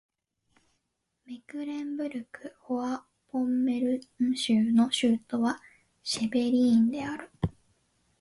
メクレンブルク＝フォアポンメルン州の州都はシュヴェリーンである